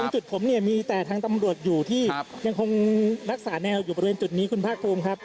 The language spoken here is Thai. จุดผมเนี่ยมีแต่ทางตำรวจอยู่ที่ยังคงรักษาแนวอยู่บริเวณจุดนี้คุณภาคภูมิครับ